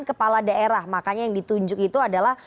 kepala daerah makanya yang ditunjuk itu adalah